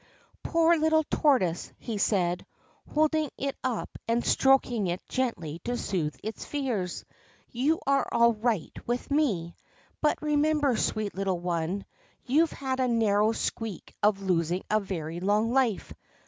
' Poor little tortoise 1 ' he said, holding it up and stroking it gently to soothe its fears, ' you are all right with me. But remember, sweet little one, you Ve had a narrow squeak of losing a very long life.